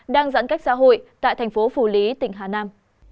đang giãn cách xã hội tại tp phủ lý tỉnh hà nam